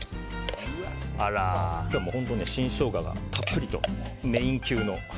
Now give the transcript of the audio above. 今日は新ショウガがたっぷりとメイン級の。